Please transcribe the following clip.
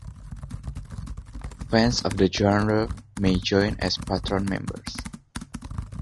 Fans of the genre may join as patron members.